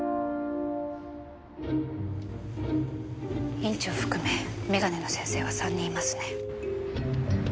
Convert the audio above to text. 院長含め眼鏡の先生は３人いますね。